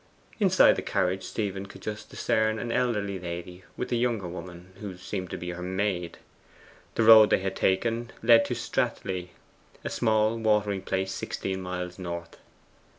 Inside the carriage Stephen could just discern an elderly lady with a younger woman, who seemed to be her maid. The road they had taken led to Stratleigh, a small watering place sixteen miles north.